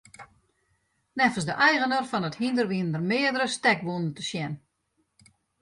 Neffens de eigener fan it hynder wiene der meardere stekwûnen te sjen.